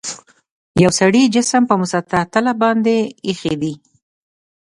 یو سړي جسم په مسطح تله باندې ایښي دي.